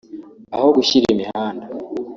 aho gushyira imihanda